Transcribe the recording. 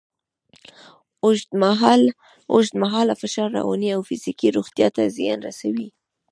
اوږدمهاله فشار رواني او فزیکي روغتیا ته زیان رسوي.